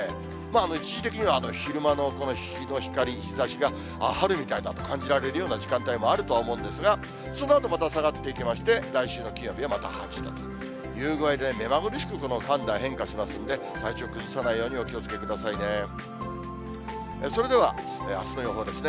一時的には昼間の日の光、日ざしが春みたいだと感じられるような時間帯もあるとは思うんですが、そのあとまた下がっていきまして、来週の金曜日はまた８度という具合で、目まぐるしく寒暖、変化しますんで、体調崩さないようにお気をつけくださいね。